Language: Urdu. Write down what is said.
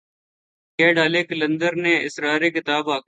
کہہ ڈالے قلندر نے اسرار کتاب آخر